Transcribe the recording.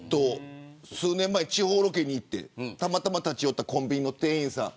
数年前、地方ロケに行ってたまたま立ち寄ったコンビニの店員さん。